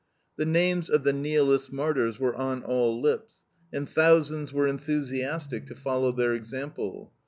The names of the Nihilist martyrs were on all lips, and thousands were enthusiastic to follow their example.